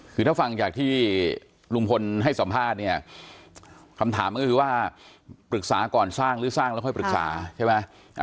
คือถ้าฟังจากที่ลุงพลให้สัมภาษณ์เนี่ยคำถามก็คือว่าปรึกษาก่อนสร้างหรือสร้างแล้วค่อยปรึกษาใช่ไหม